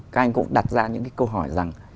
các anh cũng đặt ra những cái câu hỏi rằng